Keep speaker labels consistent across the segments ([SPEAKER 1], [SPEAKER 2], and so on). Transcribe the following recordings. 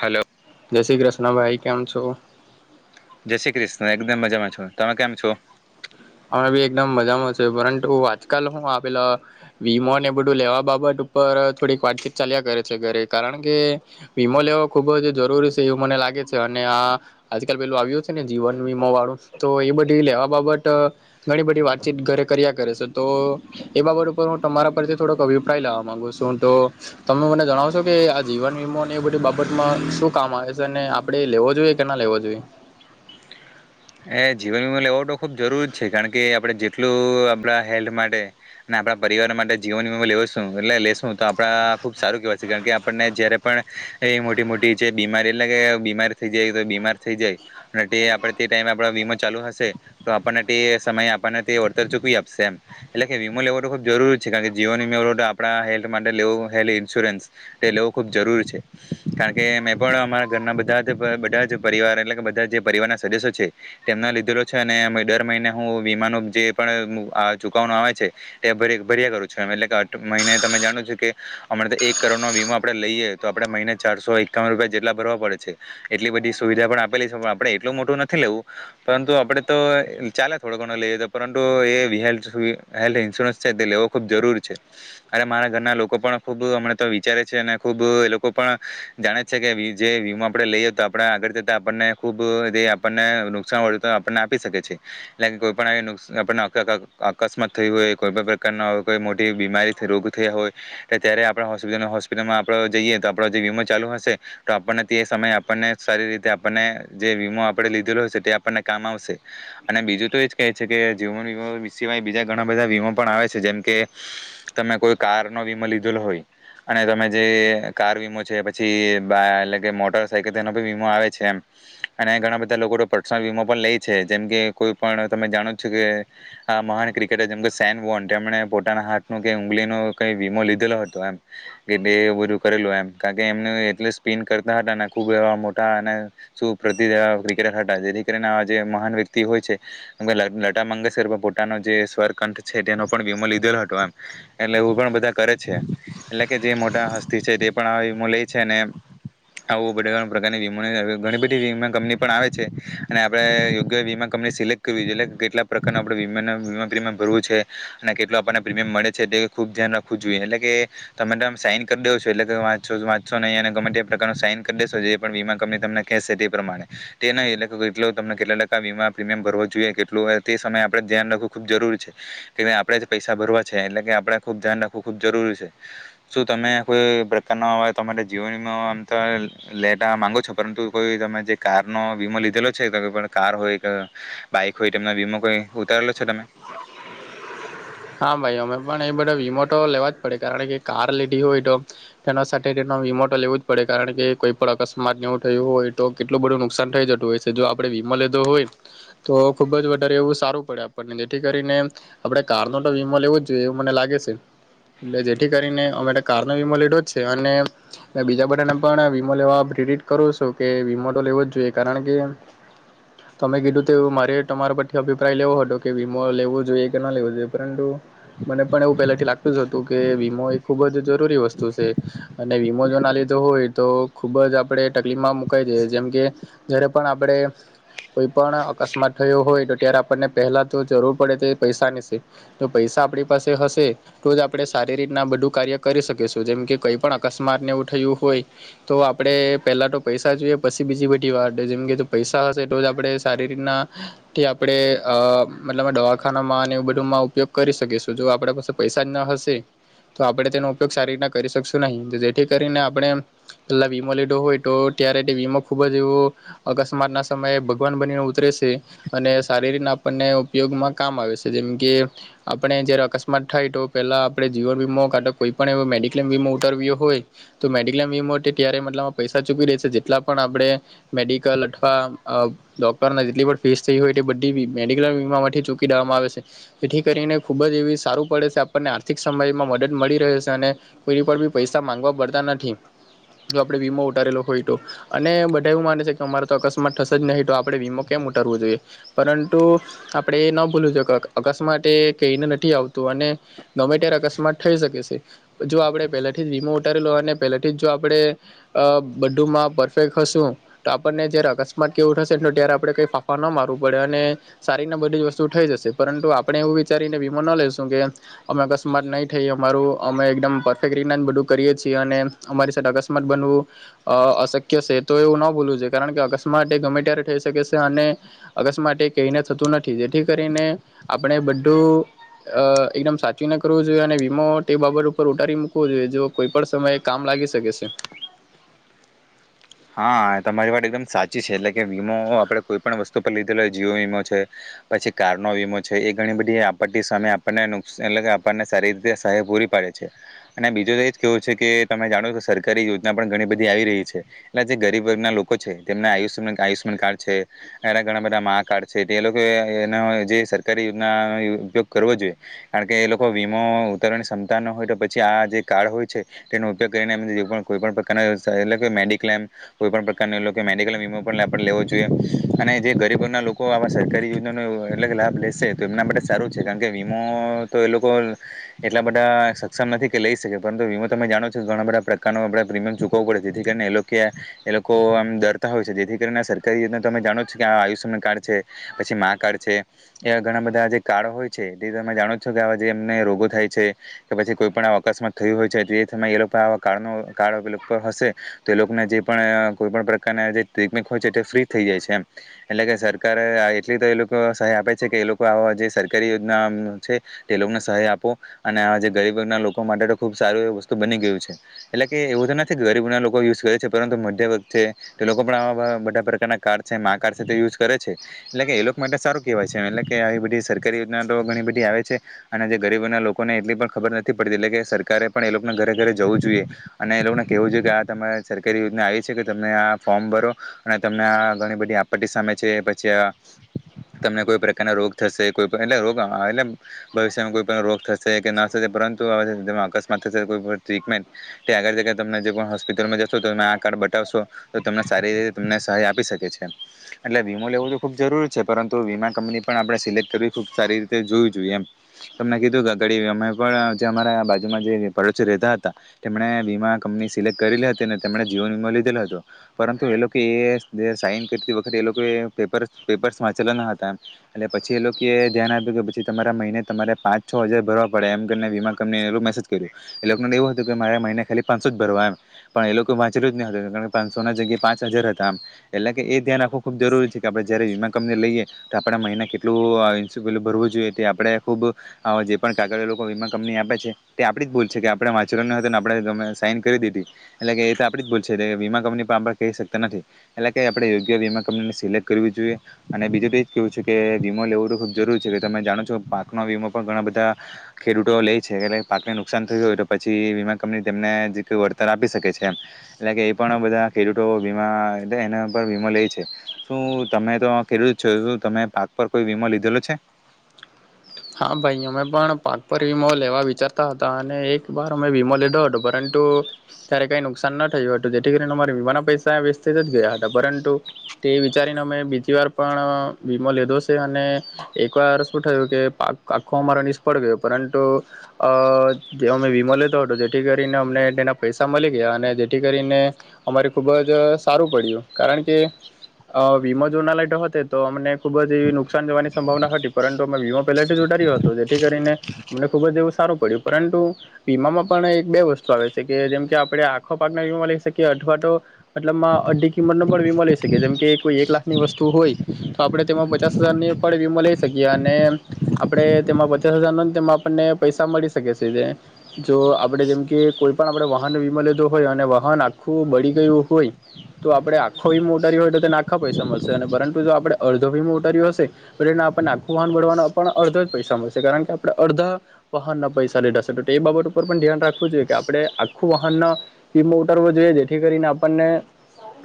[SPEAKER 1] Hello
[SPEAKER 2] જય શ્રીકૃષ્ણ હા ભાઈ કેમ છો?
[SPEAKER 1] જય શ્રી કૃષ્ણ એકદમ મજામાં છો તમે કેમ છો?
[SPEAKER 2] હું બી એકદમ મજામાં છે પરંતુ આજકાલ હું આ પેલા વીમો અને એ બધું લેવા બાબત ઉપર થોડીક વાટકીત ચાલ્યા કરે છે ઘરે કારણ કે વીમો લેવો ખૂબ જ જરૂરી છે એવું મને લાગે છે અને આ આજકાલ પેલું આવ્યું છે ને જીવન વીમો વાળું તો એ બધું લેવા બાબત. ઘણી બધી વાતચીત ઘરે કર્યા કરે છે તો એ બાબત ઉપર હું તમારા પરથી થોડોક અભિપ્રાય લાવવા માંગુ છું તો તમે મને જણાવશો કે આ જીવન વમોને એ બધી બાબતમાં શું કામ આવે છે અને આપણેે લેવો જોઈએ કે ના લેવો જોઈએ.
[SPEAKER 1] એ જીવન વીમાો લેવા તો ખુબ જરૂર છે કારણ કે આપણે જેટલું આપણા હેલ્થ માટે આપણા પરિવાર માટે જીવન વીમો લેવશું એટલે લેશું તો આપડા ખુબ સારું કેવાય છે કારણ કે આપણને જયારે પણ એ મોટી મોટી જે બીમારી એટલે કે બીમારી થઈ જાય તો બીમાર થઈ જાય આપ. આપ વીમો ચાલુ હશે તો આપણને તે સમય આપણને તે વળતર ચૂકવી આપશે એમ એટલે કે વીમો લેવો તો ખૂબ જરૂરી છે કારણ કે જીવન વીમો આપણા હેલ્થ માટે લેવું હેલ્ ઇન્સ્યોરન્સ તે લેવું ખૂબ જરૂરી છે કારણ કે મેં પણ અરા ઘરના બધા જ બધા જ પરિવાર એટલે કે બધા જે પરિવારના સદસ્યો. છે તેમનો લીધેલો અને દર મહિને હું વીમાનો જે પણ ચુકવાનો આવે છે તે ભર્યા કરું છું એટલે કે મહિને તમે જાણો છો કે અ તો એક કરોડ નો વીમાો આપણે લઈએ તો આપણે મહિને ચારસો એકાવન રૂપિયા જેટલા ભરવા પડે છે એટલી બધી સુવિધા પણ આપેલી છે પણ આપણે એટલું મોટું નથી. નથી લેવું પરંતુ આપડે તો ચાલે થોડો ઘણો લઈએ તો પરંતુ એ હેલ્થ હેલ્થ ઇન્સ્યોરન્સ છે તે લેવો ખૂબ જરૂર છે અરે મારા ઘરના લોકો પણ ખૂબ અમ તો વિચારે છે અને ખૂબ એ લોકો પણ જાણે છે કે જે વીમાો આપણે લઈએ તો આપણે આગળ જતા આપણને ખૂબ. [inaudible] આપણને આપી શકે છે એ કોઈ પણ આપને અકસ્માત થઈ હોય કોઈ પણ પ્રકારના કોઈ મોટી બીમારી રોગ થયા હોય તો ત્યારે આપ હોસ્પ હોસ્પિટલમાં આપ જઈએ તો આપ જે વીમો ચાલુ હશે તો આપણને તે સમયે આપણને સારી રીતે આપણને જે વીમો. [inaudible] આપને કામ આવશે અને બીજું તો એજ કહે છે કે જીવનો સય બીજા ઘણા બધા વીમો પણ આવે છે જેમકે તમે કોઈ કાર નો વીમો લીધેલો હોય અને તમે જે કાર વીમો છે પછી એટલે કે મોટર સાયકલ તેનોી વીમો આવે છે એમ અનેણા બધા. [inaudible] પર્સનલ વીમો પણ લઈ છે જેમ કે કોઈ પણ તમે જાણો છો કે આ મહાન ક્રિકેટર જેમ કે સેન વો એમને પોતાના હાથ ન કે ઉગલીનો ક વીમો લીધેલો હતો એમ કે બધું કરેલું એમ કારણ કે એમને એટલ સ્પિન કરતા હતા અને ખુબ એવા મોટા અને પ્રતિ. [inaudible] ને આ મહાન વ્યક્તિ હોય છે લતા મંગેશકર પોતાનો જે સ્વર કંઠ છે તેનો પણ વીમો લીધેલો હતો એમ એટલે પણ બધા કરે છે એટલે કે જે મોટા હસ્તી છે તે પણ આ વીમો લે છેને આવું બ પ્રકારની વ ઘણી બધી. પણ આવે છે અને આપડે યોગ્ય વીમા કંપની સિલેક્ટ કરવી એટલે કેટલા પ્રકારનુંણેમા પ્રીમિયમ ભરવું છે અને કેટલ આપણને પ્રીમિયમ મળે છે તે ખુબ ધ્યાન રાખવું જોઈએ એટલે કે તમે સાઈન કરી દો છો એટલે કે વાચો વાંચો નહી અને ગમે તે પ્રકારનો સાઈન કરી દેેશો જે પણ વીમા કંપની તમને કશે તે પ્રમાણે. તે નહી એટલે કેટ તમને કેટલા ટકા વીમા પ્રીમિયમ ભરવો જોઈએ કેટલું તે સમયે આપડે ધ્યાન રાખવું ખૂબ જરૂરી છે કે આપડે જ પૈસા ભરવા છે એટલે કે આપણેે ખુબ ધ્યાન રાખવું ખૂબ જરૂરી છે શું તમે કોઈ પ્રકારના તમારે જીવન આમ તો લેટા માંગો છો પરંતુ કોઈ તમે જે કાર. વીમો લીધેલો છે કાર હોય કે બાઈક હોય તેમનો વીમો કોઈ ઉતારેલો છે તમે.
[SPEAKER 2] હા ભાઈ અમે પણ એ બધા વીમો તો લેવા જ પડે કારણ કે કાર લીધી હોય તો તેના સાથે તેનો વીમો તો લેવું જ પડે કારણ કે કોઈ પણ અકસ્માત એવું થયું હોય તો કેટલું બધું નુકસાન થઇ જતું હોય છે જો આપડે વીમો લીધો હોય તો ખુબ જ વધારે એવું સારું પડે આપણને જેથી કરીને આપણે. કારનો તો વીમો લેવો જ જોઈએ એવું મને લાગે છે એટલે જેથી કરીને અમે કારનો વીમો લીધો જ છે. અને બીજા બધાને પણ વીમો લેવા રેડી કરૂ જ છું કે વીમો તો લેવો જ જોઈએ કારણ કે તમે કીધું તો મારે તમારા પરથી અભિપ્રાય લેવો હતો કે વીમો લેવો જોઈએ કે ના લેવો જોઈએ. એે પરંતુ મને પણ એવું પેલાથી લાગત હતું કે વીમો એ ખુબ જ જરૂરી વસ્તુ છે અને વીમો જો ના લીધો હોય તો ખુબ જ આપણે તકલીફમાં મુકાઈ જઈ જેમ કે જયારે પણ આપણે કોઈ પણ અકસ્માત થયો હોય તો ત્યારે આપણને પહેલા તો જરૂર પડે તે પૈસાની સે. તો પૈસા આપણી પાસે હશે તો જ આપડણે સારી રીતના બધું કાર્ય કરી શકીશું જેમકે કઈ પણ અકસ્માતને એવું થયું હોય તો આપડે પેલા તો પૈસા જોઈએ પસી બીજી બધી વાત જેમકે પૈસા હશે તો જ આપણે સારી રીતનાથી આપણે અ મતલબ દવાખાનામાં ને એવુ બધું ઉપયોગ કરી શકીશું જો આપણે પાસે પૈસા જ ના હશે તો આપણે તેનો ઉપયોગ સારી રીતના કરી શકશું નહી જેથી કરીને આપણે પેલા વીમો લીધો હોય તો ત્યારે તે વીમો ખુબ જ એવો અકસ્માત ના સમયે ભગવાન બનીને ઉતરે છે અને સારી રીના આપણને ઉપયોગમાં કામ આવે છે જેમ કે આપણે જયારે અકસ્માત થાય તો પેલા આપણે જીવન વીમો કા તો કોઈ પણ એવ મેડિક્લેમ વીમો ઉતાર્યો હોય તો મેડિક્લેમ વીમો ત્યારે મતલબ પૈસા ચૂકી દેશે જેટલા પણ આપણે મેડિકલ અથવા ડોક્ટર જેટલી પણ ફીસ થઈ હોય તે બધી મેડિક્લેમ વીમામાંથી ચૂકી દેવામાં આવે છે. જેથી કરીને ખૂબ જ એવી સારું પડે છે આપણને આર્થિક સમયમાં મદદ મળી રહે છે અને કોઈ પણ બી પૈસા માંગવા પડતા નથી તો આપડણે વીમો ઉતારેલો હોય તો અને બધા એવું માને છે કે અમારો તો અકસ્માત થશે જ નહિ તો આપણે વીમો કેમ ઉતારવો જોઈએ પરંતુ આપણે એ ન ભૂલવુ જોઈયે અક અકસ્માત એ કહીને નથી આવતું અને ગમે ત્યારે અકસ્માત થઈ શકે છે જો આપણે પહેલાથી જ વીમો ઉતારેલો અને પહેલાથી જ જો આપણે બધુંમાં પરફેક્ટ હશું તો આપણને જય્યારે અકસ્માત કેવું થશે ને તો ત્યારે આપણે કંઈ ફાંફા ન મારવું પડે અને સારીને બધી જ વસ્તુ થઈ જશે. પરંતુ આપણે એવું વિચારીને વીમો ન લઈશું કે અમે અકસ્માત નહીં થઈએ અમારું અમે એકદમ પરફેક્ટ રીતના બધું કરીએ છીએ અને અમારી સાથે અકસ્માત બનવું અશક્ય છે તો એવું ન ભૂલવું છે કારણ કે અકસ્માત એ ગમે ત્યારે થઈ શકે છે અને અકસ્માત એ કહીને થતું નથી જેથી કરીને આપણે બધું એકદમ અ સાચવીને કરવું જોઈએ અને વીમો તે બાબત ઉપર ઉતારી મૂકવો જોઈએ જો કોઈ પણ સમયે કામ લાગી શકે છે.
[SPEAKER 1] હા તમારી વાત એકદમ સાચી છે એટલે કે વીમો આપડે કોઈ પણ વસ્તુ પર લીધેલો જીઓ વીમો છે પછી કારનો વીમો છે એ ઘણી બધી આપત્તિ સામે આપણને નુકસાન એટલે કે આપણને સારી રીતે સહાય પૂરી પાડે છે અને બીજું તો એ જ કેવું છે કે તમે જાણો કે સરકારી યોજના પણ ઘણી બધી આવી રહી છે. એટલા જે ગરીબ વર્ગના લોકો છે તેમના આયુષમાન આયુષ્યમાન કાર્ડ છે એના ઘણા બધા માં કાર્ડ છે તે એ લોકો એનો જે સરકારી યોજનાનો ઉપયોગ કરવો જોઈએ કારણ કે એ લોકો વીમો ઉતારવાની ક્ષમતા ન હોય તો પછી આ જે કાર્ડ હોય છે તેનો ઉપયોગ કરીને એમ જે પણ કોઈ પણ પ્રકારના એટલે કે મેડિક્લેમ કોઈ પણ પ્રકાર મેડિકલ વીમો પણ લેવો જોઈએ અને જે ગરીબ ઘરના લોકો આવા સરકારી યોજનાનો એટલે કે લાભ લેશે તો એમના માટે સારું છે કારણ કે વીમો તો એ લોકો એટલા બધા સક્ષમ નથી કે લઈ શકે પરંતુ વીમો તમે જાણો છો ઘણા બધા પ્રકાર આપણે પ્રીમિયમ ચૂકવવું પડે જેથી કરીને એ લોકો કે એ લોકો એમ ડરતા હોય છે જેથી કરીને સરકારી યોજના તમે જાણો છો કે આ આયુષ્યમાન કાર્ડ છે પછી મા કાર્ડ છે એવા ઘણા બધા જે કાર્ડો હોય છે તે તમે જાણો છો કે આ જે એમને રોગો થાય છે કે પછી કોઈ પણ અકસ્માત થયું હોય છે તે એ લોકો આવા કાર્ડ ન કાર્ડ હશે. તે લોકોને જે પણ કોઈ પણ પ્રકારના જે ટ્રીટમેન્ટ હોય છે ફ્રી થઈ જાય છે એમ એટલે કે સરકારે એટલી તો એ લોકો સહાય આપે છે કે એ લોકો આ જે સરકારી યોજના છે તે લોકોને સહાય આપો અને આ જે ગરીબના લોકો માટે તો ખુબ સારું એ વસ્તુ બની ગયું છે એટલે કે એવું તો નથી ગરીબના લોકો યુ કરે છે પરંતુ મધ્ય વર્ગ છે તે લોકો પણ આવા બધા પ્રકારના કાર્ડ છે મા કાર્ડ છે તે યુઝ કરે છે એટલે કે એ લોકો માટે સારું કેહેવાય છે એમ એટલે કે આવી બધી સરકારી યોજના તો ઘણી બધી આવે છે અને જે ગરીબોના લોકોને એટલી પણ ખબર નથી પડતી એટલે કે સરકારે પણ એ લોકોને ઘરે ઘરે જવું જોઈએ અને એ લોકોને કહેવું જોઈએ કે આ તમારે સરકારી યોજના આવી છે કે તમે આ ફોર્મ ભરો અને તમને આ ઘણી બધી આપત્તિ સામે છે પછી અ તમને કોઈ પ્રકારના રોગ થશે કોઈ એટલે રોગ એ ભવિષ્યમાં કોઈ પણ રોગ થશે કે ન થશે પરંતુ તેમાં અકસ્માત થશે કોઈ ટ્રીટમેન્ટ તે આગળ જગ્યા તને જે પણ હોસ્પિટલમાં જ. તો તમે આ કાર્ડ બતાવશો તો તમને સારી રીતે તમને સહાય આપી શકે છે. એટલે વીમો લેવું તો ખુબ જરૂરી છે પરંતુ વીમા કંપની પણ આપણે સિલેક્ટ કરવી ખૂબ સારી રીતે જોવી જોઈએ એમ તમને કીધું કે આગળ અમે પણ અમારા બાજુમાં જે પડોસી રહેતા હતા તેમણે વીમા કંપની સિલેક્ટ કરેલી હતી તે તેમણે જીવન વીમા લીધેલો હતો પરંતુ એ લોકોએ સાઈન કરતી વખતે એ લોકોએ પેપર્સ પેપર્સ વાંચેલા ન હતા એટલે પછી એ લોકોએ ધ્યાન આપ્યું કે પછી તમારા મહિને તમારે પાંચ છ હજાર ભરવા પડે એમને વીમા કંપની મેસેજ કર્યું એ લોકોને એવું હતું કે મારે મહિને ખાલી પાંચસો જ ભરવા એમ. પણ એ લોકો વાંચેલું જ ની હતું કારણ કે પાંચસો ના જગ્યા પાંચ હજાર હતા એટલે કે એ ધ્યાન ખૂબ જરૂરી છે કે આપડે જ્યારે વીમા કંપની લઈએ તો આપણા મહિના કેટલું ઇન્સપલું ભરવું જોઈએ તે આપણે ખૂબ જે પણ કાગળ લોકો વીમા કંપની આપે છે તે આપણી જ ભૂલ છે કે આપણે વાંચવાનું હતું ને આપણે તમે સાઈન કરી દીધી. એટલે કે એ તો આપડી જ ભૂલ છે વીમા કંપની પણ આપ કહી શકતા નથી એટલે કે આપણે યોગ્ય વીમા કંપનીને સિલેક્ટ કરવી જોઈએ અને બીજું તો એ જ કેવું છે કે વીમો લેવું તો ખૂબ જરૂરી છે કે તમે જાણો છો પાકનો વીમો પણ ઘણા બધા ખેડૂતો લે છે એટલે પાકને નુકસાન થયું હોય તો પછી વીમા કંપની તેમને આપી શકે છે એમ એટલે કે એ પણ બધા તે રીતે બીમા એના પર વીમો લેય છે, શું તમે તો આ [unintelligible] છે તમે પાક પર કોઈ વીમો લીધેલો છે?
[SPEAKER 2] હા ભાઈ અમે પણ પાક પર વીમો લેવા વિચારતા હતા અને એક વાર અમે વીમો લીધો હતો પરંતુ ત્યારે કઈ નુકસાન ન થયું હતું જેથી કરીને અમારા વીમાના પૈસા વેસ્તી જ જ ગયા હતા પરંતુ તે વિચારીને અમે બીજી વાર પણ અ વીમો લીધો છે અને એક વાર શું થયું કે આખો અમારો નિષ્ફળ ગયો પરંતુ અ જે અમે વીમો લેતો હતો જેથી કરીને અમને તેના પૈસા મળી ગયા અને જેથી કરીને અમારે ખુબ જ અ સારું પડ્યું કારણ કે અ વીમો જો ના લાઈટો હતો તો અમને ખુબ જ એવી નુકસાન જવાની સંભાવના હતી પરંતુ અમે વીમો પહેલાથી તો ઉતર્યું હતો જેથી કરીને અમને ખૂબ જ એવું સારું પડ્યું પરંતુ વીમામાં પણ એક બે વસ્તુ આવે છે કે જેમકે આપણે આખો પાકના વીમા લઈ શકીએ અથવા તો મતલબ અઢી કિંમતનો પણ વીમો લઈ શકીએ જેમ કે કોઈ એક લાખની વસ્તુ હોય તો આપણે તેમાં પચાસ હજારની પણ વીમો લઈ શકીએ અને આપણે તેમાં પચાસ હજાર ન તેમાં આપણને પૈસા મળી શકે છે જે જો આપડે જેમકે કોઈ પણ આપણે વાહનનો વીમો લીધો હોય અને વાહન આખું બળી ગયું હોય તો આપડે આખો વીમો ઓટારી હોય તો તેને આખા પૈસા મળશે અને પરંતુ જો આપડે અડધો વીમો ઉટારીયો હશે તો તેને આપણને આખું વાહન બળવાના પણ અડધા પૈસા મળશે કારણ કે આપણે અડધા વાહન ના પૈસા લીધાશે તો એ બાબત ઉપર પણ ધ્યાન રાખવું જોઈએ કે આપણે આખું વાહનનો વીમો ઉતારવો જોઈએ જેથી કરીને આપણને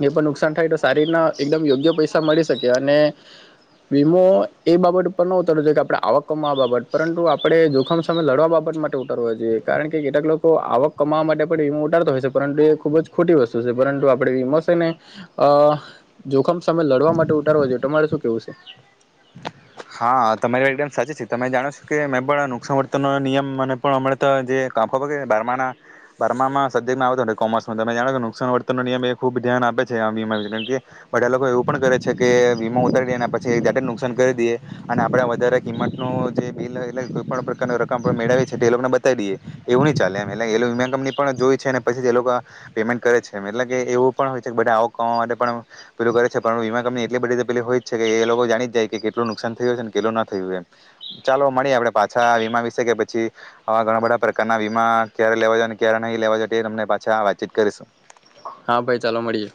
[SPEAKER 2] જે પણ નુકસાન થાય તો સારી રીતના એકદમ યોગ્ય પૈસા મળી શકે અને વીમો એ બાબત ઉપર ન ઉતારવો જોઈએ કે આપણે આવક કમાવા બાબત પરંતુ આપણે જોખમ સામે લડવા બાબત માટે ઉતારવા જોઈએ કારણ કે કેટલાક લોકો આવક કમાવા માટે પણ વીમો ઉતારતા હોય છે પરંતુ એ ખુબ જ ખોટી વસ્તુ છે પરંતુ આપણે વીમો છે ને અ જોખમ સામે લડવા માટે ઉતારવા જોઈએ તમારે શું કેવું શે?
[SPEAKER 1] હા તમારી વાત એકદમ સાચી છે તમે જાણો છો કે મેં પણ નુકસાન વર્તનનો નિયમ મને પણ હમણાં તો જે ખબર બારમા ના બારમામાં સબ્જેક્ટમાં આવતો કોમર્સમાં તમે જાણો કે નુકસાન વર્તનનો નિયમ એ ખૂબ ધ્યાન આપે છે આમ વીમા વિ કેમ બધા લોકો એવું પણે છે કે વીમા ઉતારી દે અને પછી જાતે નુકસાન કરી દઈએ અને આપડે વધારે કિંમત નુ જે બિલ એટલે કોઈ પણ પ્રકાર રકમ આપ મેળવી છે તો એ લોકોને બતાવી દઈએ. એવું ની ચાલે એમ એટલે એ લોકો વીમા કંપની પણ જોય છે અને પછી એ લોકા પેમેન્ટ કરે છે એ એટલે કે એવું પણ હોય છે કે બધા આવ કરવા માટે પણ પેલુ કરે છે પણ વીમા કંપની એટલી બધી પે હોય જ છે કે એ લોકો જાણી જાય કેટલુ નુક નુકસાન થયુંય છેને કેટલું ના થયું એમ. ચાલો મળીએ આપડે પાછા વીમા વિશે કે પછી આવા ઘણા બધા પ્રકારના વીમા ક્યારે લેવા ને ક્યારે નહીં લેવા તે તમને પાછા વાતચીત કરીશું.
[SPEAKER 2] હા ભાઈ ચાલો મળીએે.